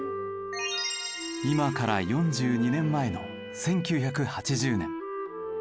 今から４２年前の１９８０年。